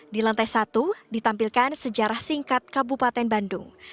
di lantai satu ditampilkan sejarah singkat kabupaten bandung